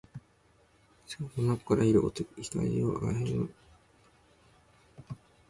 双眸の奥から射るごとき光を吾輩の矮小なる額の上にあつめて、おめえは一体何だと言った